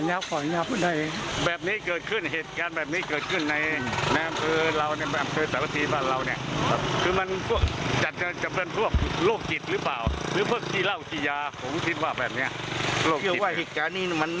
อาจจะเป็นพวกโรคจิตหรือเปล่าหรือพวกที่เล่าที่ยาผมคิดว่าแบบนี้